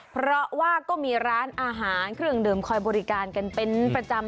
เพราะว่าก็มีร้านอาหารเครื่องดื่มคอยบริการกันเป็นประจำ